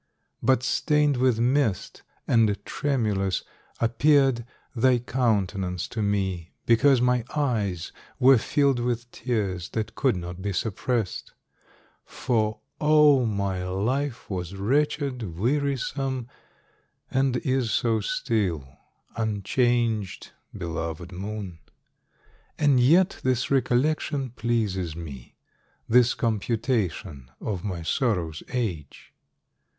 But stained with mist, and tremulous, appeared Thy countenance to me, because my eyes Were filled with tears, that could not be suppressed; For, oh, my life was wretched, wearisome, And is so still, unchanged, belovèd moon! And yet this recollection pleases me, This computation of my sorrow's age.